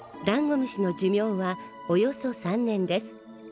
ダンゴムシの寿命はおよそ３年です。